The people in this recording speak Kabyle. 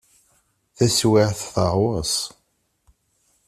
Taswiεt teεweṣ.